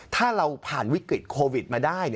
ถ้าเราผ่านวิกฤตโควิดมาได้